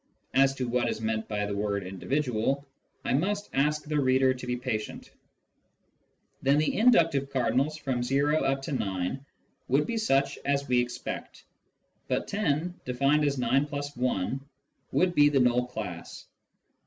(As to what is meant by the word " individual," I must ask the reader to be patient.) Then the inductive cardinals from o up to 9 would be such as we expect, but 10 (defined as 9+1) would be the null class.